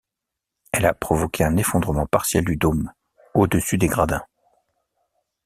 Elle a provoqué un effondrement partiel du dôme, au-dessus des gradins.